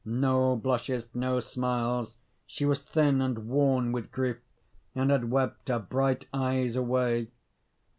No blushes, no smiles: she was thin and worn with grief, and had wept her bright eyes away.